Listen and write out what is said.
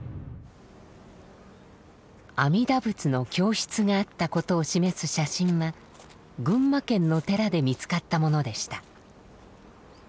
阿弥陀仏の供出があったことを示す写真は群馬県の寺で見つかったものでした。